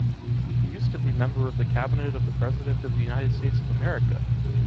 He used to be member of the Cabinet of the President of the United States of America.